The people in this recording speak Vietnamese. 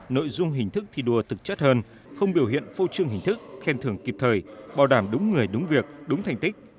nội dung hình thức thi đua thực chất hơn không biểu hiện phô trương hình thức khen thường kịp thời bảo đảm đúng người đúng việc đúng thành tích